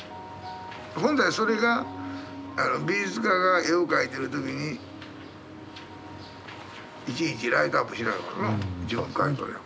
本来それが美術家が絵を描いてる時にいちいちライトアップしないもんな。